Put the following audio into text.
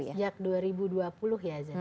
sejak dua ribu dua puluh ya